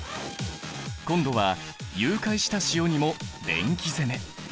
今度は融解した塩にも電気攻め。